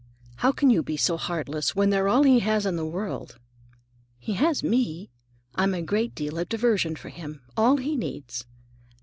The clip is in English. "How can you be so heartless, when they're all he has in the world?" "He has me. I'm a great deal of diversion for him; all he needs.